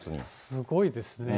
すごいですね。